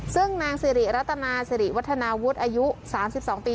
ซึ่งนางสิริรัตนาสิริวัฒนาวุฒิอายุ๓๒ปี